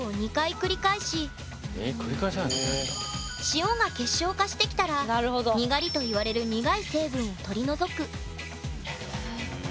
塩が結晶化してきたら「にがり」と言われる苦い成分を取り除く。